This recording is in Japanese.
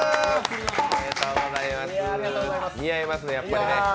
似合いますね、やっぱりね。